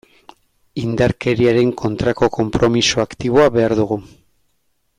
Indarkeriaren kontrako konpromiso aktiboa behar dugu.